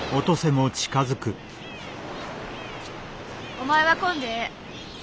お前は来んでええ。